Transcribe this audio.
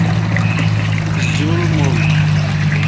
زیول مول